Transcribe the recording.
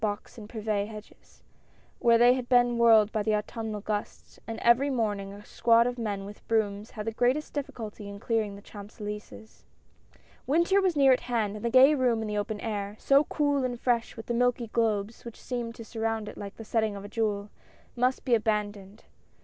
Box and Privet hedges, where they had been whirled by the Autumnal gusts, and every morning a squad of men with brooms had the greatest difficulty in clearing the Champs Elysees. Winter was near at hand, and the gay room in the open air — so cool and fresh with the milky globes which seemed to surround it like the setting of a jewel — must be abandoned.